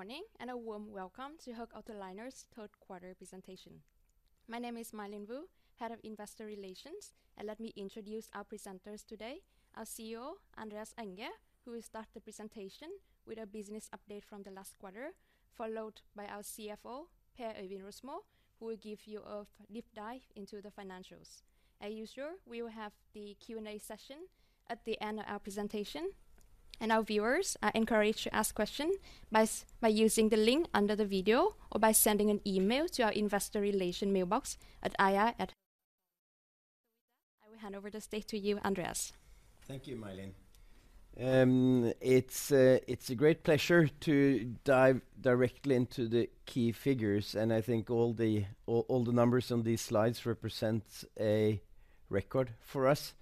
Good morning, and a warm welcome to Höegh Autoliners' third quarter presentation. My name is My Linh Vu, Head of Investor Relations, and let me introduce our presenters today. Our CEO, Andreas Enger, who will start the presentation with a business update from the last quarter, followed by our CFO, Per Øivind Rosmo, who will give you a deep dive into the financials. As usual, we will have the Q&A session at the end of our presentation, and our viewers are encouraged to ask question by using the link under the video or by sending an email to our Investor Relations mailbox at ir@hoeghautoliners.com. With that, I will hand over the stage to you, Andreas. Thank you, My Linh. It's a great pleasure to dive directly into the key figures, and I think all the numbers on these slides represent a record for us,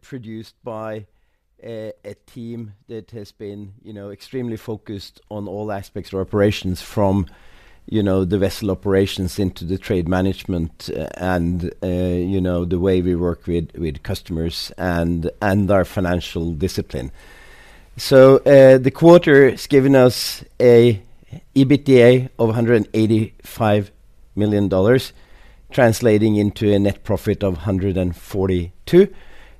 produced by a team that has been, you know, extremely focused on all aspects of our operations from, you know, the vessel operations into the trade management, and, you know, the way we work with customers and our financial discipline. So, the quarter has given us an EBITDA of $185 million, translating into a net profit of $142 million,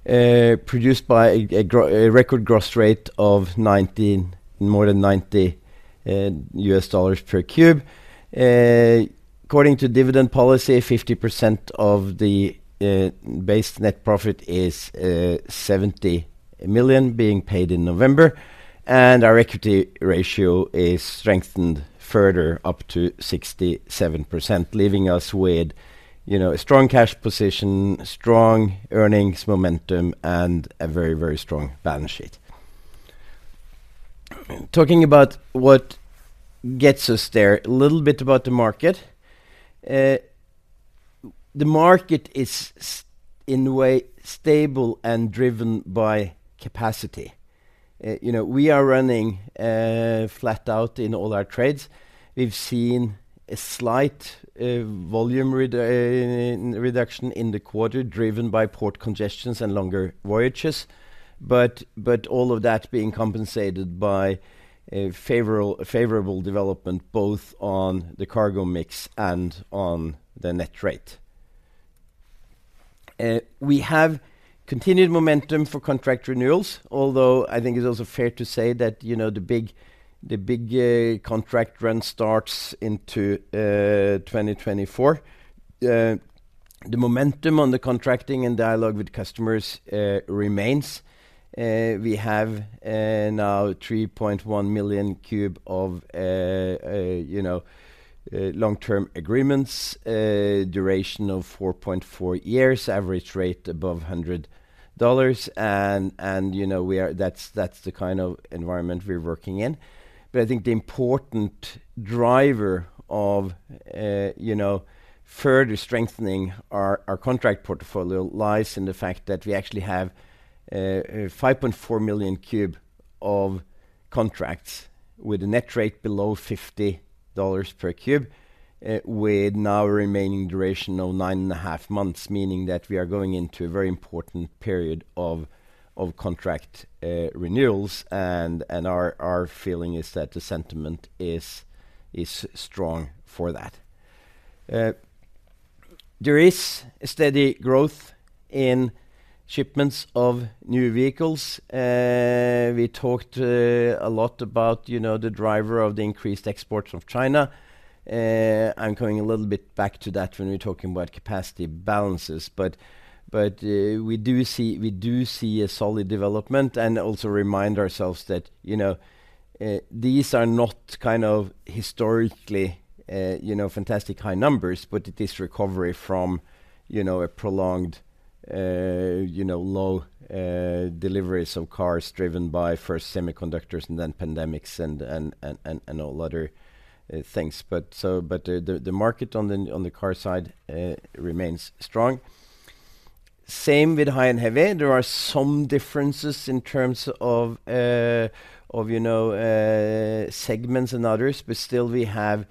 produced by a record gross rate of more than 90 $ per cube. According to dividend policy, 50% of the base net profit is $70 million being paid in November, and our equity ratio is strengthened further up to 67%, leaving us with, you know, a strong cash position, strong earnings momentum, and a very, very strong balance sheet. Talking about what gets us there, a little bit about the market. The market is in a way stable and driven by capacity. You know, we are running flat out in all our trades. We've seen a slight volume reduction in the quarter, driven by port congestions and longer voyages, but all of that being compensated by a favorable development both on the cargo mix and on the net rate. We have continued momentum for contract renewals, although I think it's also fair to say that, you know, the big contract run starts into 2024. The momentum on the contracting and dialogue with customers remains. We have now 3.1 million cube of, you know, long-term agreements, duration of 4.4 years, average rate above $100. You know, we are - that's the kind of environment we're working in. But I think the important driver of, you know, further strengthening our contract portfolio lies in the fact that we actually have 5.4 million cube of contracts with a net rate below $50 per cube, with now a remaining duration of 9.5 months, meaning that we are going into a very important period of contract renewals, and our feeling is that the sentiment is strong for that. There is a steady growth in shipments of new vehicles. We talked a lot about, you know, the driver of the increased exports from China. I'm coming a little bit back to that when we're talking about capacity balances, but we do see a solid development and also remind ourselves that, you know, these are not kind of historically, you know, fantastic high numbers, but it is recovery from, you know, a prolonged, you know, low deliveries of cars driven by first semiconductors and then pandemics and all other things. But the market on the car side remains strong. Same with high and heavy. There are some differences in terms of segments and others, but still, we have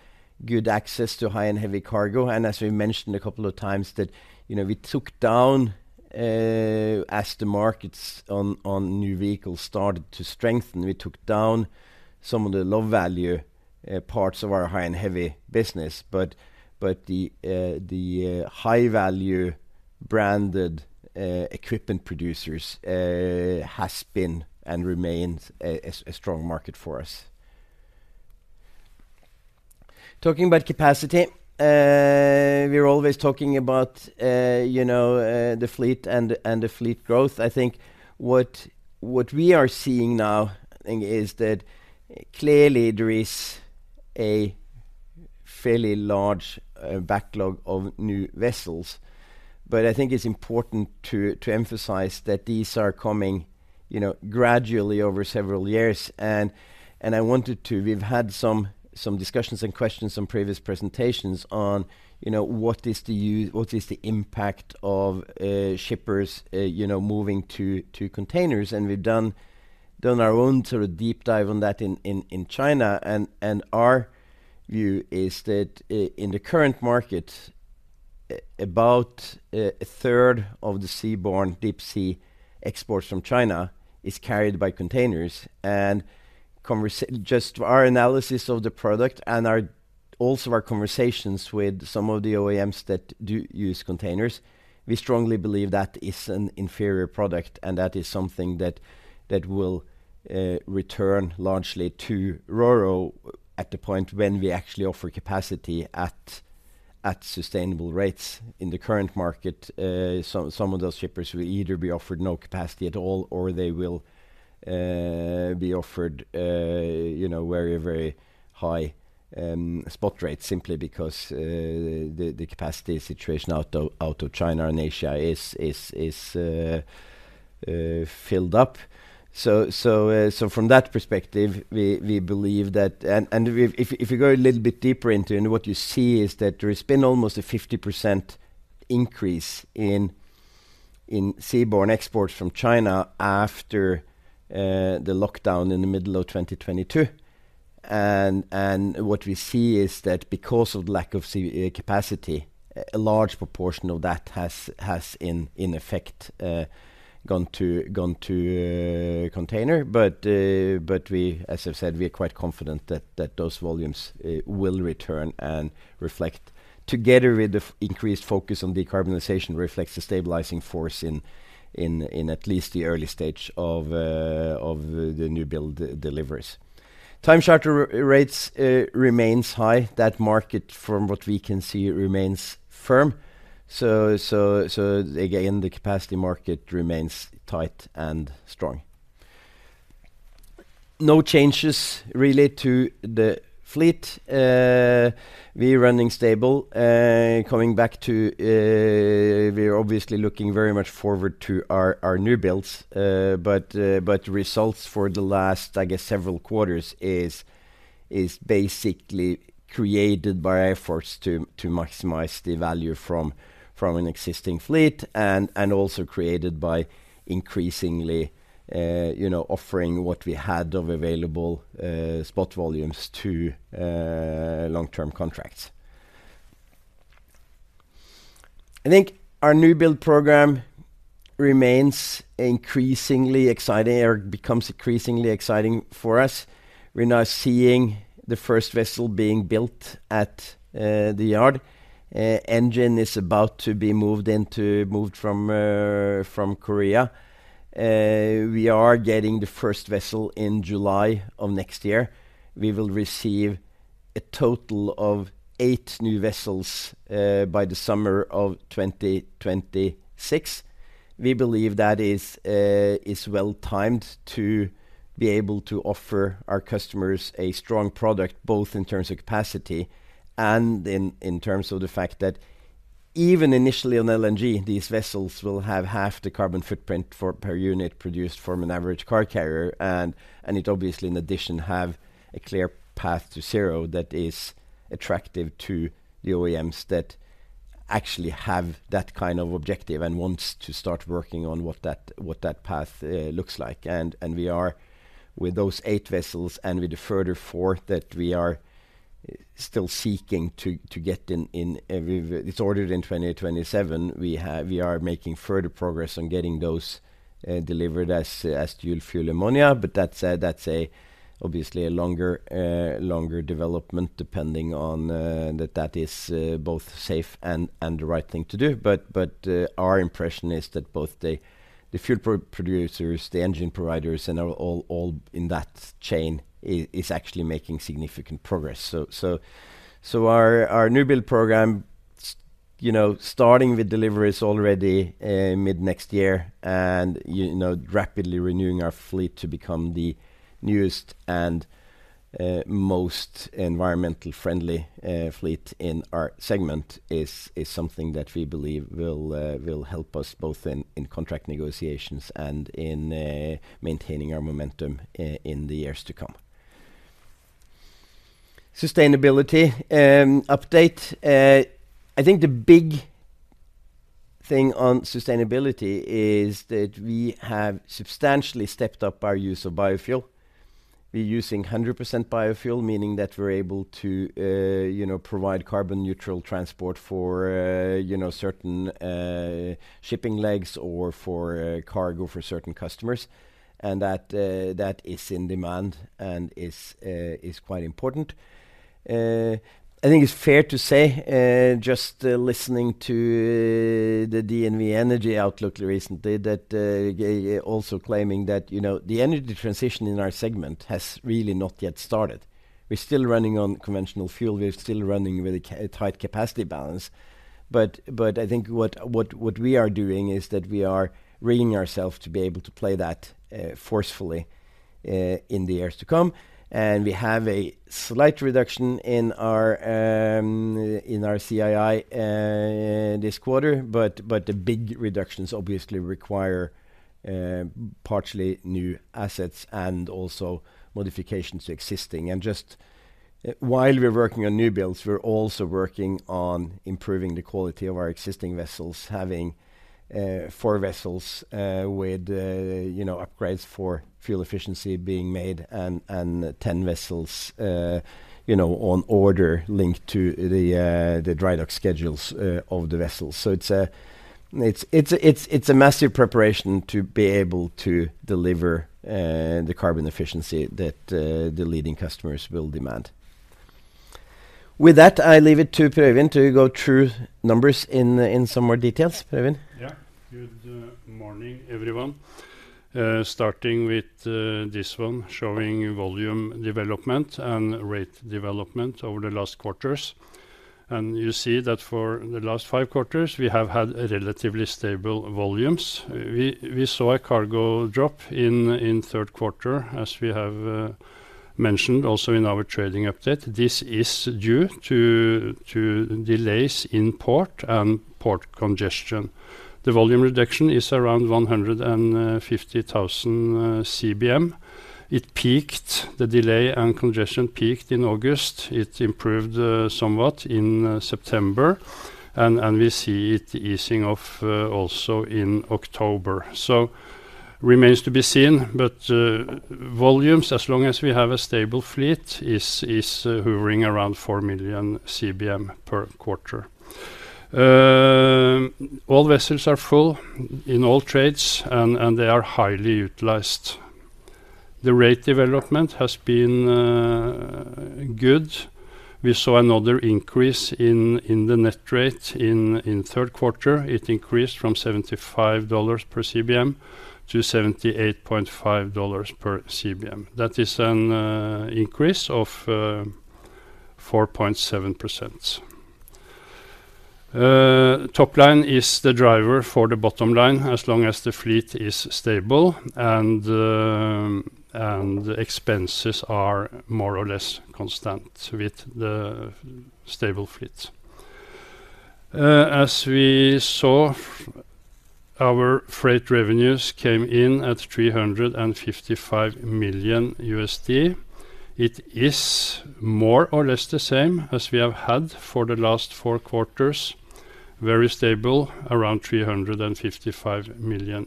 good access to high and heavy cargo. As we mentioned a couple of times, that you know we took down as the markets on new vehicles started to strengthen, we took down some of the low-value parts of our high and heavy business. But the high-value branded equipment producers has been and remains a strong market for us. Talking about capacity, we're always talking about you know the fleet and the fleet growth. I think what we are seeing now I think is that clearly there is a fairly large backlog of new vessels, but I think it's important to emphasize that these are coming you know gradually over several years. And I wanted to... We've had some discussions and questions on previous presentations on, you know, what is the impact of shippers, you know, moving to containers? And we've done our own sort of deep dive on that in China, and our view is that in the current market about a third of the seaborne deep-sea exports from China is carried by containers. And just our analysis of the product and our, also our conversations with some of the OEMs that do use containers, we strongly believe that is an inferior product, and that is something that will return largely to RoRo at the point when we actually offer capacity at sustainable rates. In the current market, some of those shippers will either be offered no capacity at all, or they will be offered, you know, very, very high spot rates, simply because the capacity situation out of China and Asia is filled up. So, from that perspective, we believe that, and if you go a little bit deeper into it, what you see is that there's been almost a 50% increase in seaborne exports from China after the lockdown in the middle of 2022. And what we see is that because of lack of sea capacity, a large proportion of that has, in effect, gone to container. But, but we, as I've said, we are quite confident that, that those volumes, will return and reflect together with the increased focus on decarbonization, reflects the stabilizing force in, in, in at least the early stage of, of the, the new build deliveries. Time charter rates remains high. That market, from what we can see, remains firm. So again, the capacity market remains tight and strong. No changes really to the fleet. We're running stable. Coming back to... we are obviously looking very much forward to our new builds. But results for the last, I guess, several quarters is basically created by our efforts to maximize the value from an existing fleet and also created by increasingly, you know, offering what we had of available spot volumes to long-term contracts. I think our new build program remains increasingly exciting, or becomes increasingly exciting for us. We're now seeing the first vessel being built at the yard. Engine is about to be moved from Korea. We are getting the first vessel in July of next year. We will receive a total of 8 new vessels by the summer of 2026. We believe that is, is well timed to be able to offer our customers a strong product, both in terms of capacity and in, in terms of the fact that even initially on LNG, these vessels will have half the carbon footprint for per unit produced from an average car carrier. And, and it obviously, in addition, have a clear path to zero that is attractive to the OEMs that actually have that kind of objective and wants to start working on what that, what that path, looks like. And, and we are with those 8 vessels and with the further 4 that we are still seeking to, to get in, in every—it's ordered in 2027. We are making further progress on getting those delivered as dual fuel ammonia, but that's obviously a longer development, depending on that that is both safe and the right thing to do. But our impression is that both the fuel producers, the engine providers, and all in that chain is actually making significant progress. So our new build program, you know, starting with deliveries already mid-next year and, you know, rapidly renewing our fleet to become the newest and most environmentally friendly fleet in our segment is something that we believe will help us both in contract negotiations and in maintaining our momentum in the years to come. Sustainability update. I think the big thing on sustainability is that we have substantially stepped up our use of biofuel. We're using 100% biofuel, meaning that we're able to, you know, provide carbon neutral transport for, you know, certain shipping legs or for cargo for certain customers. And that, that is in demand and is quite important. I think it's fair to say, just listening to the DNV Energy Outlook recently, that also claiming that, you know, the energy transition in our segment has really not yet started. We're still running on conventional fuel. We're still running with a tight capacity balance. But I think what we are doing is that we are readying ourselves to be able to play that forcefully in the years to come. And we have a slight reduction in our CII this quarter. But the big reductions obviously require partially new assets and also modifications to existing. And just while we're working on new builds, we're also working on improving the quality of our existing vessels, having four vessels with you know, upgrades for fuel efficiency being made and 10 vessels you know, on order linked to the dry dock schedules of the vessels. So it's a massive preparation to be able to deliver the carbon efficiency that the leading customers will demand. With that, I leave it to Per Øivind to go through numbers in some more details. Per Øivind? Yeah. Good morning, everyone. Starting with this one, showing volume development and rate development over the last quarters. You see that for the last five quarters, we have had relatively stable volumes. We saw a cargo drop in third quarter, as we have mentioned also in our trading update. This is due to delays in port and port congestion. The volume reduction is around 150,000 CBM. It peaked, the delay and congestion peaked in August. It improved somewhat in September, and we see it easing off also in October. So remains to be seen, but volumes, as long as we have a stable fleet, is hovering around 4 million CBM per quarter. All vessels are full in all trades, and they are highly utilized. The rate development has been good. We saw another increase in the net rate in third quarter. It increased from $75 per CBM to $78.5 per CBM. That is an increase of 4.7%. Top line is the driver for the bottom line, as long as the fleet is stable and the expenses are more or less constant with the stable fleet. As we saw, our freight revenues came in at $355 million. It is more or less the same as we have had for the last four quarters, very stable, around $355 million.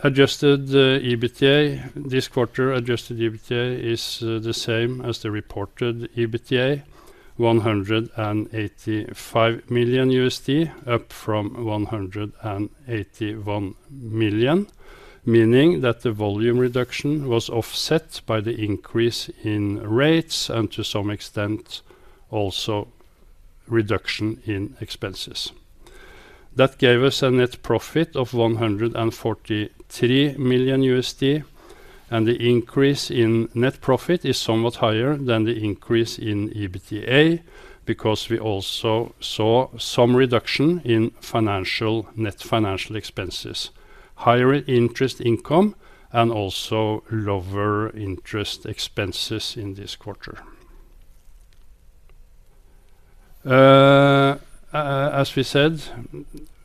Adjusted EBITDA this quarter, adjusted EBITDA is the same as the reported EBITDA, $185 million, up from $181 million, meaning that the volume reduction was offset by the increase in rates and to some extent, also reduction in expenses. That gave us a net profit of $143 million, and the increase in net profit is somewhat higher than the increase in EBITDA, because we also saw some reduction in financial net financial expenses, higher interest income, and also lower interest expenses in this quarter. As we said,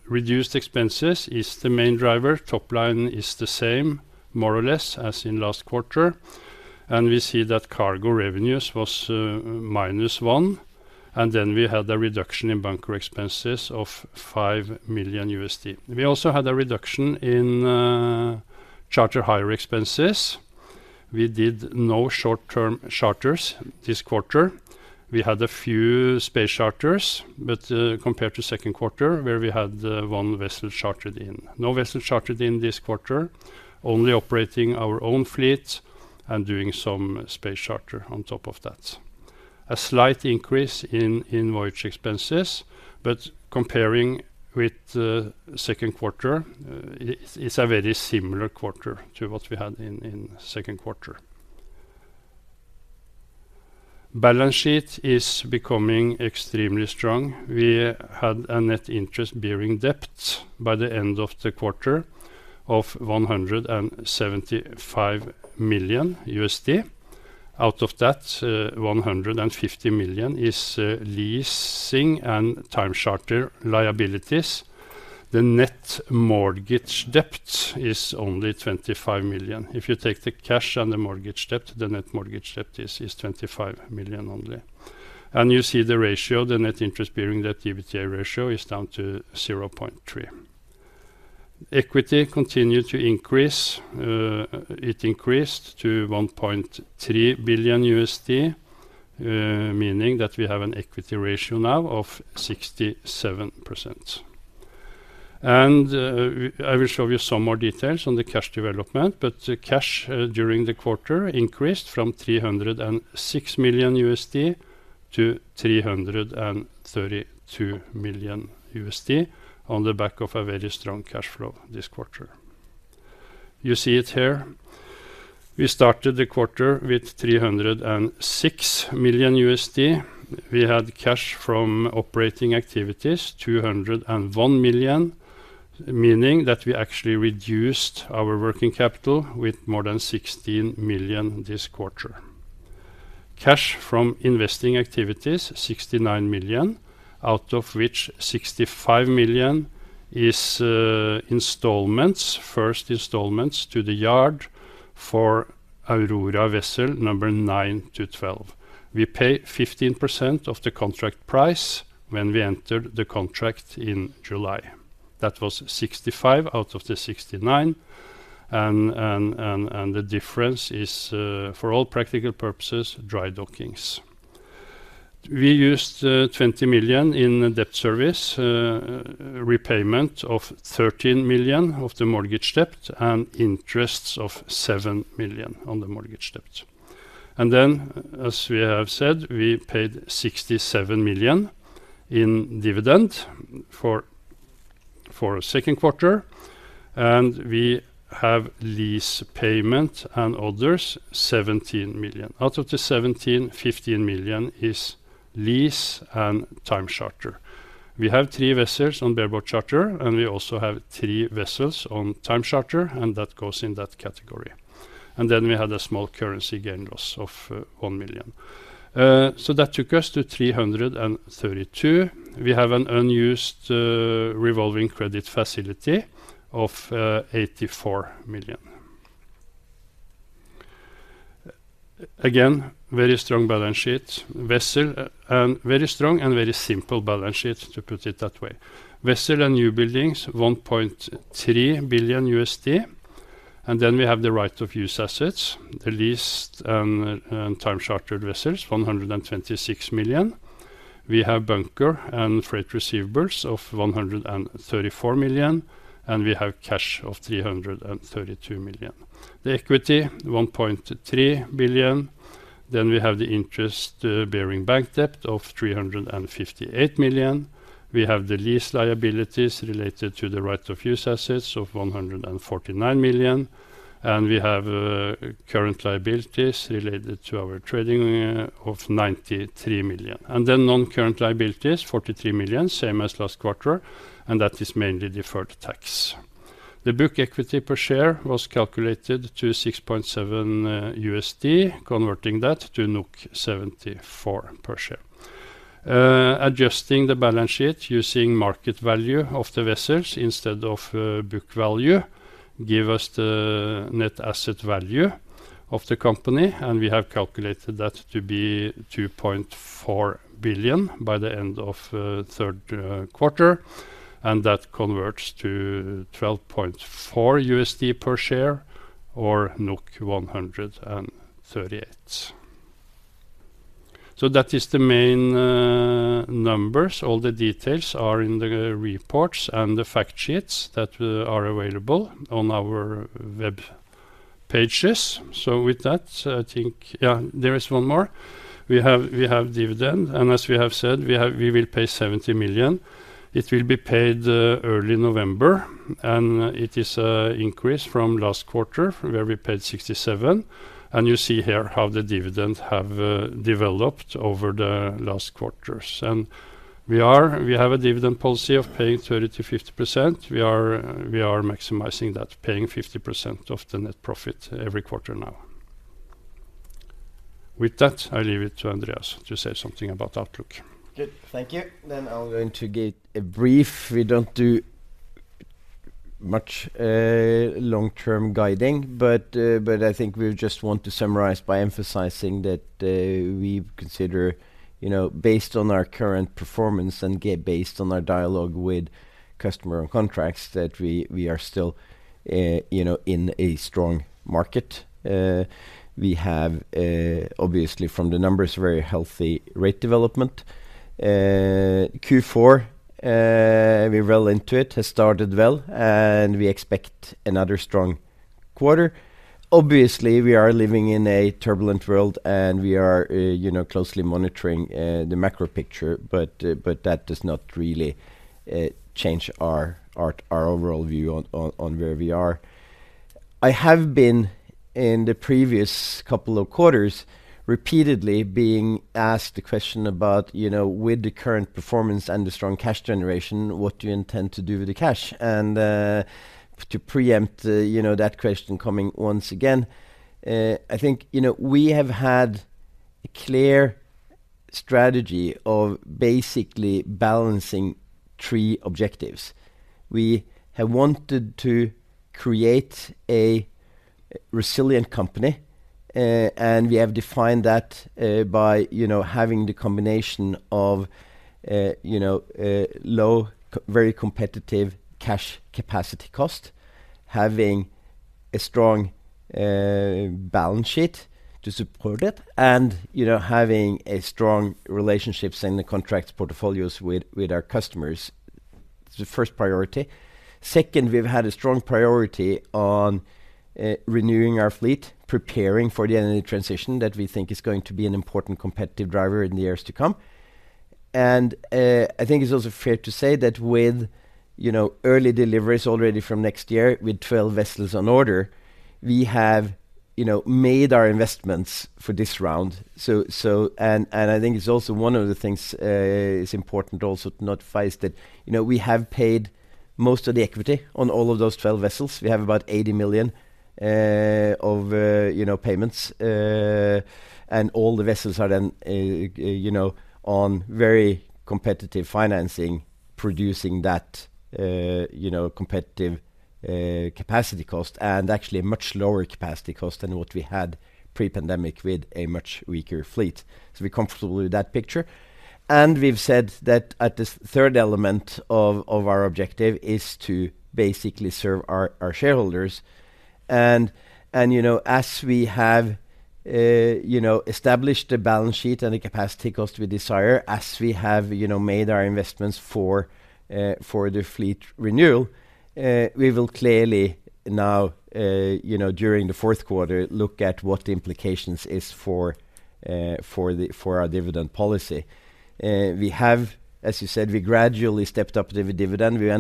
reduced expenses is the main driver. Top line is the same, more or less, as in last quarter, and we see that cargo revenues was minus $1 million, and then we had a reduction in bunker expenses of $5 million. We also had a reduction in charter hire expenses. We did no short-term charters this quarter. We had a few space charters, but compared to second quarter, where we had one vessel chartered in. No vessel chartered in this quarter, only operating our own fleet and doing some space charter on top of that. A slight increase in voyage expenses, but comparing with the second quarter, it's a very similar quarter to what we had in second quarter. Balance sheet is becoming extremely strong. We had a net interest-bearing debt by the end of the quarter of $175 million. Out of that, $150 million is leasing and time charter liabilities. The net mortgage debt is only $25 million. If you take the cash and the mortgage debt, the net mortgage debt is $25 million only. And you see the ratio, the net interest bearing that EBITDA ratio, is down to 0.3. Equity continued to increase. It increased to $1.3 billion, meaning that we have an equity ratio now of 67%. I will show you some more details on the cash development, but cash, during the quarter increased from $306 million to $332 million on the back of a very strong cash flow this quarter. You see it here. We started the quarter with $306 million. We had cash from operating activities, $201 million, meaning that we actually reduced our working capital with more than $16 million this quarter. Cash from investing activities, $69 million, out of which $65 million is installments, first installments to the yard for Aurora vessel number 9-12. We pay 15% of the contract price when we entered the contract in July. That was $65 out of the $69, and the difference is, for all practical purposes, dry dockings. We used $20 million in debt service, repayment of $13 million of the mortgage debt, and interest of $7 million on the mortgage debt. And then, as we have said, we paid $67 million in dividend for second quarter, and we have lease payment and others, $17 million. Out of the $17 million, $15 million is lease and time charter. We have three vessels on bareboat charter, and we also have three vessels on time charter, and that goes in that category. Then we had a small currency gain/loss of $1 million. So that took us to $332 million. We have an unused revolving credit facility of $84 million. Again, very strong balance sheet, vessel, and very strong and very simple balance sheet, to put it that way. Vessel and new buildings, $1.3 billion, and then we have the right of use assets, the leased and time chartered vessels, $126 million. We have bunker and freight receivables of $134 million, and we have cash of $332 million. The equity, $1.3 billion. Then we have the interest bearing bank debt of $358 million. We have the lease liabilities related to the right of use assets of $149 million, and we have current liabilities related to our trading of $93 million. And then non-current liabilities, $43 million, same as last quarter, and that is mainly deferred tax. The book equity per share was calculated to $6.7, converting that to 74 per share. Adjusting the balance sheet using market value of the vessels instead of book value, give us the net asset value of the company, and we have calculated that to be $2.4 billion by the end of third quarter, and that converts to $12.4 per share, or 138. So that is the main numbers. All the details are in the reports and the fact sheets that are available on our web pages. So with that, I think. Yeah, there is one more. We have dividend, and as we have said, we will pay $70 million. It will be paid early November, and it is a increase from last quarter, where we paid $67 million. And you see here how the dividend have developed over the last quarters. And we have a dividend policy of paying 30%-50%. We are maximizing that, paying 50% of the net profit every quarter now. With that, I leave it to Andreas to say something about the outlook. Good. Thank you. Then I'm going to give a brief. We don't do much long-term guiding, but I think we just want to summarize by emphasizing that we consider, you know, based on our current performance and based on our dialogue with customer and contracts, that we are still, you know, in a strong market. We have, obviously from the numbers, very healthy rate development. Q4, we're well into it, has started well, and we expect another strong quarter. Obviously, we are living in a turbulent world, and we are, you know, closely monitoring the macro picture, but that does not really change our overall view on where we are. I have been, in the previous couple of quarters, repeatedly being asked the question about, you know, "With the current performance and the strong cash generation, what do you intend to do with the cash?" And, to preempt, you know, that question coming once again, I think, you know, we have had a clear strategy of basically balancing three objectives. We have wanted to create a resilient company, and we have defined that, by, you know, having the combination of, you know, low, very competitive cash capacity cost, having a strong, balance sheet to support it, and, you know, having a strong relationships and the contracts portfolios with, with our customers. It's the first priority. Second, we've had a strong priority on renewing our fleet, preparing for the energy transition that we think is going to be an important competitive driver in the years to come. I think it's also fair to say that with, you know, early deliveries already from next year, with 12 vessels on order, we have, you know, made our investments for this round. I think it's also one of the things is important also to notify is that, you know, we have paid most of the equity on all of those 12 vessels. We have about $80 million of, you know, payments, and all the vessels are then, you know, on very competitive financing, producing that, you know, competitive cash-... Capacity cost, and actually a much lower capacity cost than what we had pre-pandemic with a much weaker fleet. So we're comfortable with that picture. And we've said that at this third element of our objective is to basically serve our shareholders. And you know, as we have you know established a balance sheet and the capacity cost we desire, as we have you know made our investments for the fleet renewal, we will clearly now you know during the fourth quarter look at what the implications is for our dividend policy. We have, as you said, we gradually stepped up the dividend. We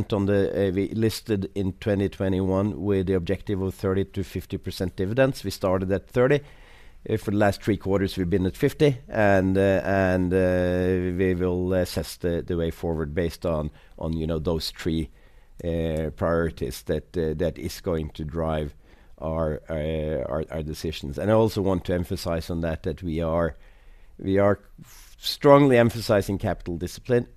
listed in 2021 with the objective of 30%-50% dividends. We started at 30%. For the last three quarters, we've been at $50, and we will assess the way forward based on, you know, those 3 priorities that is going to drive our decisions. And I also want to emphasize on that we are strongly emphasizing capital discipline.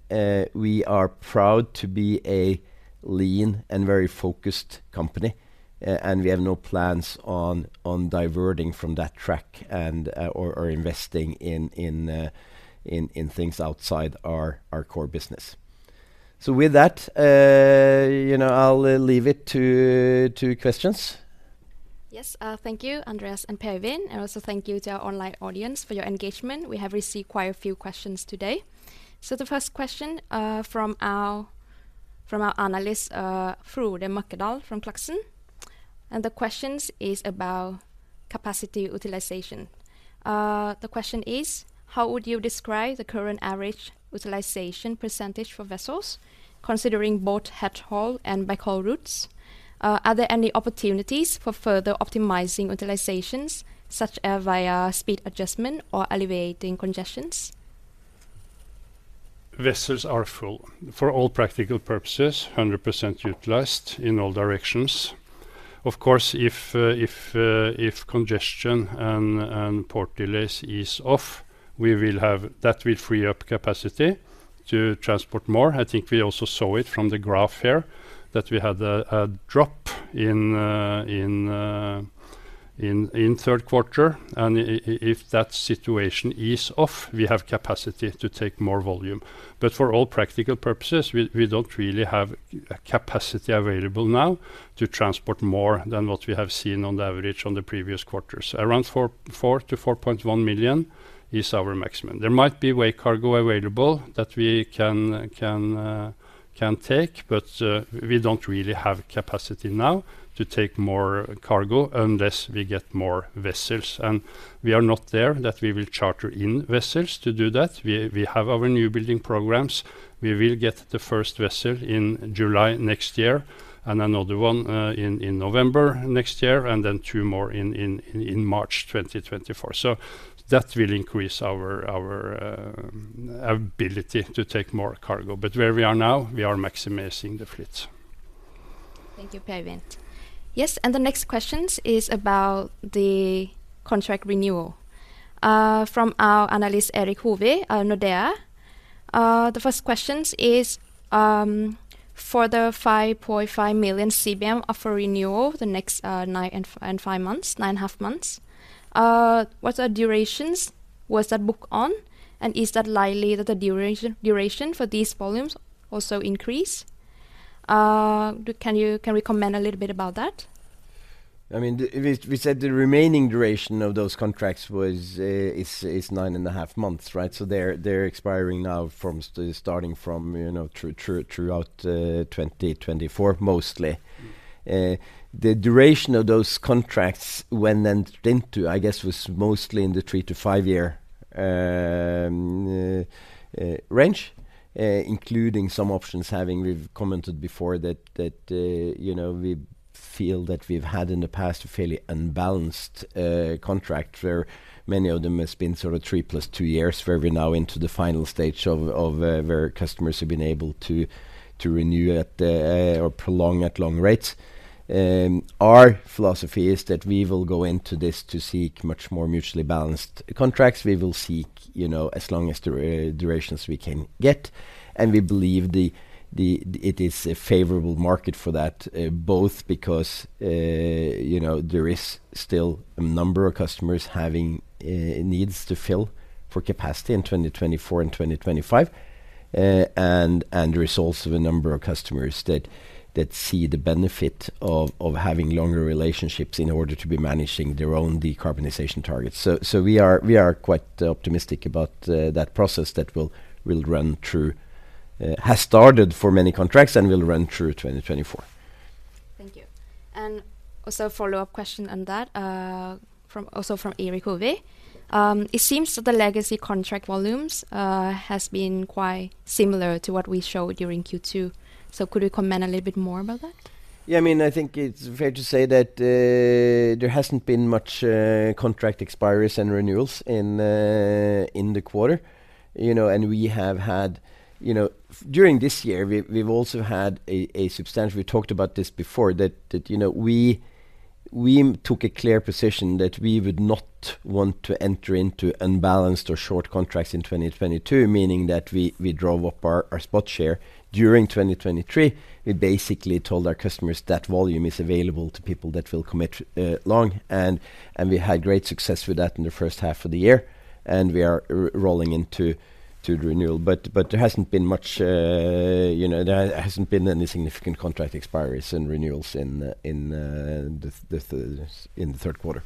We are proud to be a lean and very focused company, and we have no plans on diverting from that track and or investing in things outside our core business. So with that, you know, I'll leave it to questions. Yes, thank you, Andreas and Per Øivind, and also thank you to our online audience for your engagement. We have received quite a few questions today. So the first question, from our, from our analyst, Frode Mørkedal from Clarksons. And the questions is about capacity utilization. The question is: How would you describe the current average utilization percentage for vessels, considering both headhaul and backhaul routes? Are there any opportunities for further optimizing utilizations, such as via speed adjustment or alleviating congestions? Vessels are full, for all practical purposes, 100% utilized in all directions. Of course, if congestion and port delays ease off, we will have... That will free up capacity to transport more. I think we also saw it from the graph here, that we had a drop in third quarter, and if that situation ease off, we have capacity to take more volume. But for all practical purposes, we don't really have a capacity available now to transport more than what we have seen on the average on the previous quarters. Around 4-4.1 million is our maximum. There might be way cargo available that we can take, but we don't really have capacity now to take more cargo unless we get more vessels. We are not there, that we will charter in vessels to do that. We have our newbuilding programs. We will get the first vessel in July next year, and another one in November next year, and then two more in March 2024. So that will increase our ability to take more cargo. But where we are now, we are maximizing the fleet. Thank you, Per-Vincent. Yes, and the next question is about the contract renewal, from our analyst, Erik Hovi, Nordea. The first question is: For the 5.5 million CBM up for renewal the next 9.5 months, what durations was that booked on, and is that likely that the duration for these volumes also increase? Can you comment a little bit about that? I mean, we said the remaining duration of those contracts is 9.5 months, right? So they're expiring now, starting from, you know, throughout 2024, mostly. The duration of those contracts, when entered into, I guess, was mostly in the three to five-year range, including some options. We've commented before that, you know, we feel that we've had in the past a fairly unbalanced contract, where many of them has been sort of 3+2 years, where we're now into the final stage of where customers have been able to renew at or prolong at long rates. Our philosophy is that we will go into this to seek much more mutually balanced contracts. We will seek, you know, as long as durations we can get, and we believe it is a favorable market for that, both because, you know, there is still a number of customers having needs to fill for capacity in 2024 and 2025. And there is also a number of customers that see the benefit of having longer relationships in order to be managing their own decarbonization targets. So we are quite optimistic about that process that will run through, has started for many contracts and will run through 2024. Thank you. And also a follow-up question on that, from, also from Erik Hovi. It seems that the legacy contract volumes has been quite similar to what we showed during Q2. So could you comment a little bit more about that? Yeah, I mean, I think it's fair to say that there hasn't been much contract expirations and renewals in the quarter, you know, and we have had. You know, during this year, we've also had a substantial. We talked about this before, that you know, we took a clear position that we would not want to enter into unbalanced or short contracts in 2022, meaning that we drove up our spot share during 2023. We basically told our customers that volume is available to people that will commit long, and we had great success with that in the first half of the year, and we are rolling into the renewal. But there hasn't been much, you know, there hasn't been any significant contract expiries and renewals in the third quarter.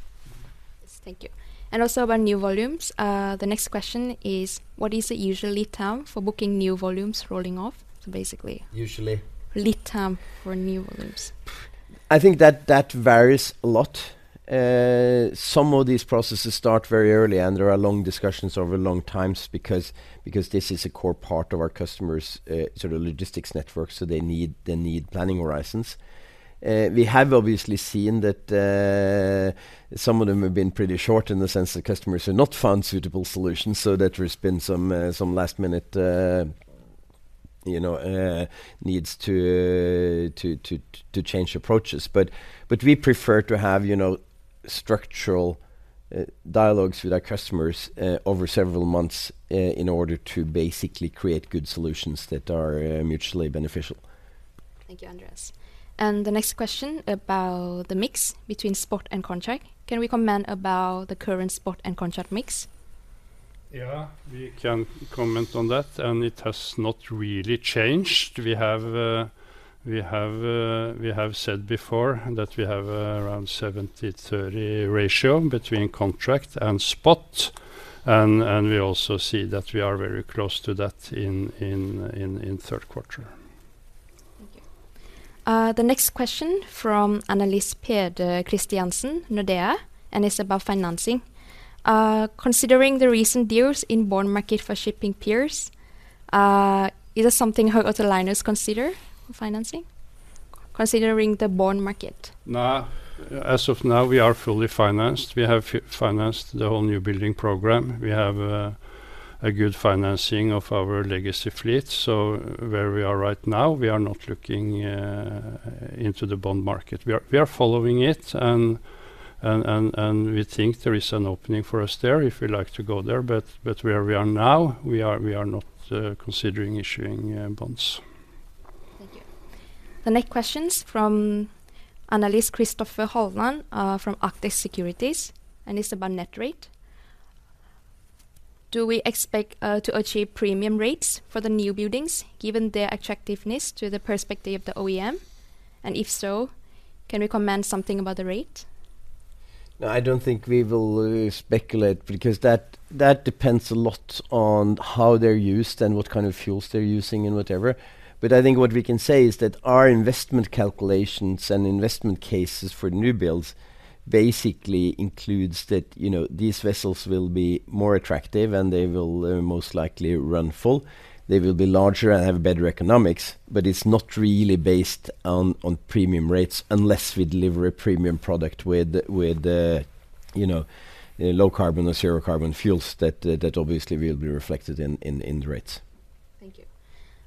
Yes. Thank you. Also about new volumes. The next question is: What is the usual lead time for booking new volumes rolling off? So basically- Usually- Lead time for new volumes. I think that varies a lot. Some of these processes start very early, and there are long discussions over long times because this is a core part of our customers', sort of logistics network, so they need planning horizons. We have obviously seen that some of them have been pretty short in the sense that customers have not found suitable solutions, so that there's been some last-minute, you know, needs to change approaches. But we prefer to have, you know, structural dialogues with our customers over several months in order to basically create good solutions that are mutually beneficial. Thank you, Andreas. The next question about the mix between spot and contract. Can we comment about the current spot and contract mix? Yeah, we can comment on that, and it has not really changed. We have said before that we have around 70/30 ratio between contract and spot. And we also see that we are very close to that in third quarter. Thank you. The next question from analyst Peder Kristiansen, Nordea, and it's about financing. Considering the recent deals in bond market for shipping peers, is it something how other liners consider financing, considering the bond market? Nah. As of now, we are fully financed. We have financed the whole new building program. We have a good financing of our legacy fleet. So where we are right now, we are not looking into the bond market. We are following it and we think there is an opening for us there if we like to go there, but where we are now, we are not considering issuing bonds. Thank you. The next question's from analyst Kristoffer Barth Skeie from Arctic Securities, and it's about net rate. Do we expect to achieve premium rates for the newbuildings, given their attractiveness to the perspective of the OEM? And if so, can we comment something about the rate? No, I don't think we will speculate, because that depends a lot on how they're used and what kind of fuels they're using and whatever. But I think what we can say is that our investment calculations and investment cases for new builds basically includes that, you know, these vessels will be more attractive, and they will most likely run full. They will be larger and have better economics, but it's not really based on premium rates, unless we deliver a premium product with you know low carbon or zero carbon fuels that obviously will be reflected in the rates. Thank you.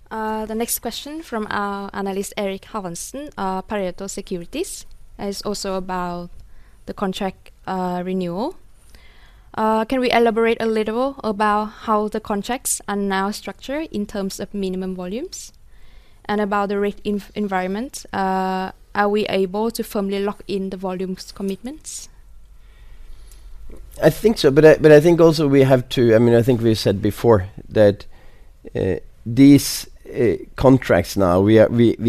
The next question from our analyst, Eirik Haavaldsen, Pareto Securities, is also about the contract renewal. Can we elaborate a little about how the contracts are now structured in terms of minimum volumes? And about the rate environment, are we able to firmly lock in the volumes commitments? I think so, but I think also we have to. I mean, I think we said before that these contracts now, we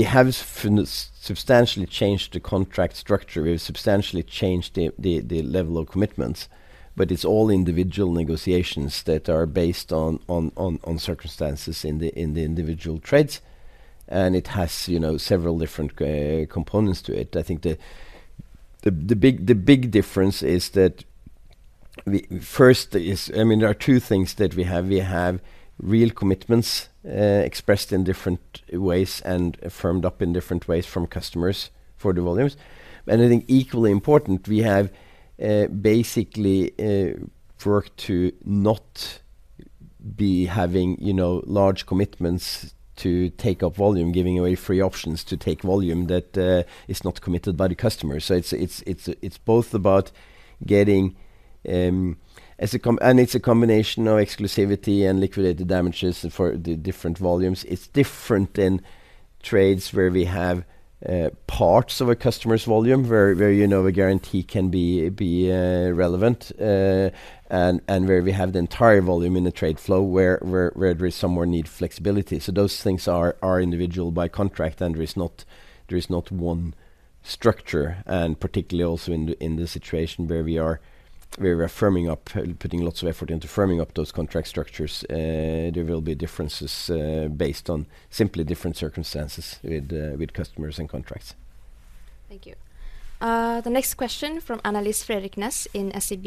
have finally substantially changed the contract structure. We've substantially changed the level of commitments, but it's all individual negotiations that are based on circumstances in the individual trades, and it has, you know, several different components to it. I think the big difference is that first, I mean, there are two things that we have. We have real commitments expressed in different ways and firmed up in different ways from customers for the volumes. And I think equally important, we have basically worked to not be having, you know, large commitments to take up volume, giving away free options to take volume that is not committed by the customer. So it's both about getting and it's a combination of exclusivity and liquidated damages for the different volumes. It's different in trades where we have parts of a customer's volume, where you know, a guarantee can be relevant, and where we have the entire volume in the trade flow, where we somewhere need flexibility. So those things are individual by contract, and there is not one structure, and particularly also in the situation where we are firming up, putting lots of effort into firming up those contract structures. There will be differences based on simply different circumstances with customers and contracts. Thank you. The next question from analyst Fredrik Ness in SEB.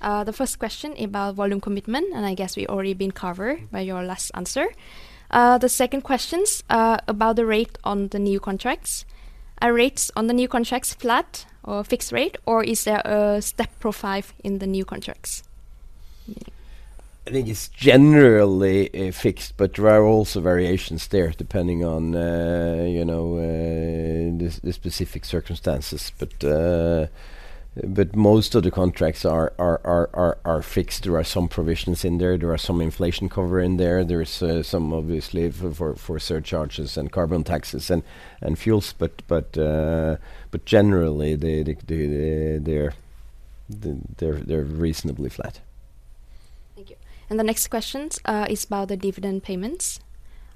The first question about volume commitment, and I guess we've already been covered by your last answer. The second questions about the rate on the new contracts. Are rates on the new contracts flat or fixed rate, or is there a step profile in the new contracts? I think it's generally fixed, but there are also variations there, depending on you know the specific circumstances. But most of the contracts are fixed. There are some provisions in there. There are some inflation cover in there. There is some obviously for surcharges and carbon taxes and fuels. But generally, they're reasonably flat. Thank you. The next questions is about the dividend payments.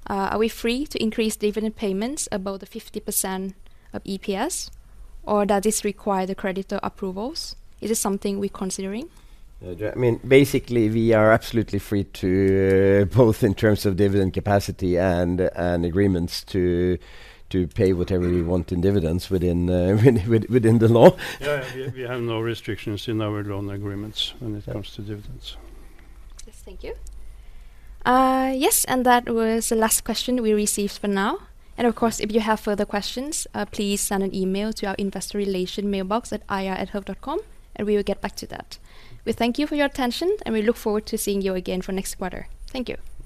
Are we free to increase dividend payments above the 50% of EPS, or does this require the creditor approvals? Is this something we're considering? I mean, basically, we are absolutely free to both in terms of dividend capacity and agreements to pay whatever we want in dividends within the law. Yeah, yeah, we have no restrictions in our loan agreements when it comes to dividends. Yes, thank you. Yes, and that was the last question we received for now. And of course, if you have further questions, please send an email to our investor relation mailbox at ir@hoegh.com, and we will get back to that. We thank you for your attention, and we look forward to seeing you again for next quarter. Thank you.